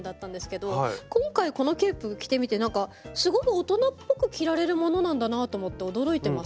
今回このケープ着てみてすごく大人っぽく着られるものなんだなと思って驚いてます。